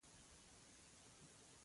د ټکنالوجۍ پرمختګ د ټولنې بڼه بدلوي.